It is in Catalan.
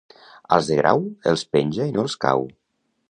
Als de Grau, els penja i no els cau.